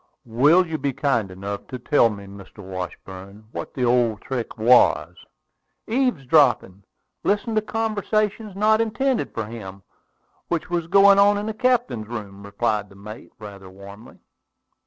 "Will you be kind enough to tell me, Mr. Washburn, what the old trick was?" "Eavesdropping; listening to conversation not intended for him, which was going on in the captain's room," replied the mate, rather warmly.